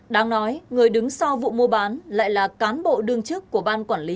đáng nói người đứng sau vụ mua bán lại là cán bộ đương chức của ban quản lý